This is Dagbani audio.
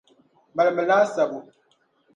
Malimi laasabu.